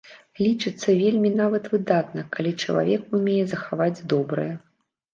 Лічыцца вельмі нават выдатна, калі чалавек умее захаваць добрае.